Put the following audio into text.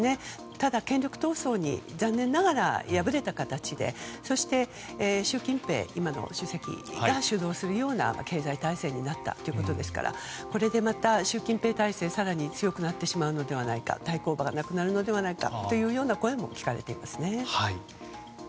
ただ、権力闘争に残念ながら敗れた形でそして、習近平主席が主導するような経済体制になったということですからこれでまた、習近平体制が更に強くなってしまうのではないか対抗馬がいなくなるのではと聞かれていますね。